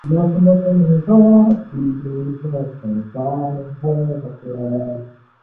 它的作用机理和乙酰半胱氨酸相同。